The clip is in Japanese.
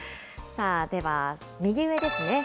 さあ、では右上ですね。